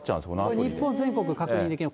日本全国、確認できます。